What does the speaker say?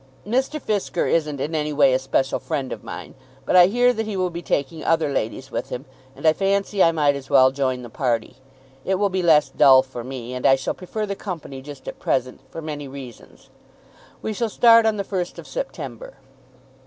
"Mr. Fisker isn't in any way a special friend of mine. But I hear that he will be taking other ladies with him, and I fancy I might as well join the party. It will be less dull for me, and I shall prefer company just at present for many reasons. We shall start on the first of September."